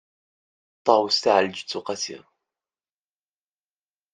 ṭawes taεelǧeţ uqasi